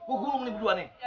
oh gulung nih berdua nih